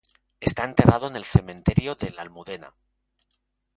Está enterrado en el cementerio de La Almudena.